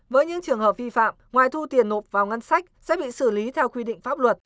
với những trường hợp vi phạm ngoài thu tiền nộp vào ngân sách sẽ bị xử lý theo quy định pháp luật